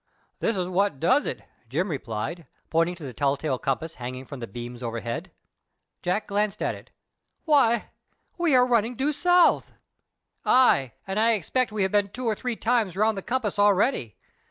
"That is what does it," Jim replied, pointing to the tell tale compass hanging from the beams overhead. Jack glanced at it. "Why, we are running due south!" "Aye; and I expect we have been two or three times round the compass already.